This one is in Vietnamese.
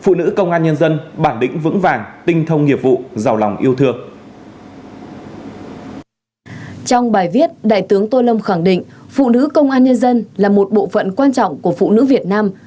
phụ nữ công an nhân dân là một bộ phận quan trọng của phụ nữ việt nam